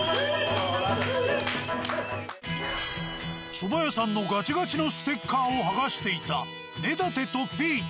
そば屋さんのガチガチのステッカーを剥がしていた根建とピーチ。